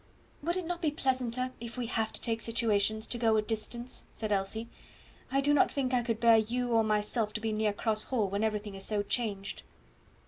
"Would it not be pleasanter, if we have to take situations, to go to a distance," said Elsie. "I do not think I could I bear you or myself to be near Cross Hall when everything is so changed."